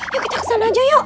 yuk kita ke sana aja yuk